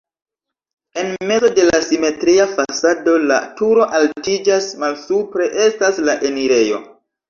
En mezo de la simetria fasado la turo altiĝas, malsupre estas la enirejo.